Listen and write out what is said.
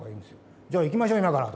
「じゃあ行きましょう今から」。